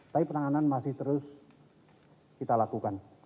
tapi penanganan masih terus kita lakukan